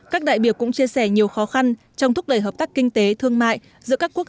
các đại biểu cũng chia sẻ nhiều khó khăn trong thúc đẩy hợp tác kinh tế thương mại giữa các quốc